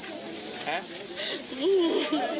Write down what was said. แม็กกี้อยากบอกอะไรกับครอบครัวภรรยาไหมเป็นครั้งสุดท้าย